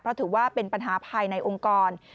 เพราะถือว่าเป็นปัญหาภายในองค์กร